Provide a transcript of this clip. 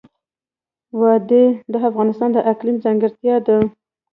وادي د افغانستان د اقلیم ځانګړتیا ده.